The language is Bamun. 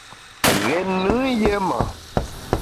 Ghét nùn yé ma.